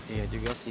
iya juga sih